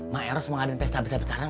mak eros mau ngadain pesta besar besaran